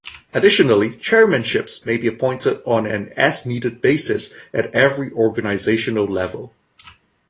Additionally, chairmanships may be appointed on an as-needed basis at every organizational level.